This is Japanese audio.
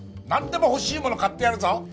なんでも欲しいもの買ってやるぞ。